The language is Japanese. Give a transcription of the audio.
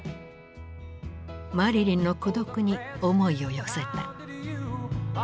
マリリンの孤独に思いを寄せた。